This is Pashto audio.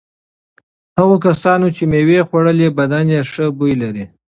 هغو کسانو چې مېوه خوړلي بدن یې ښه بوی لري.